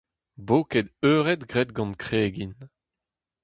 Boked-eured graet gant kregin.